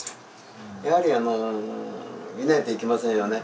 やはりいないといけませんよね。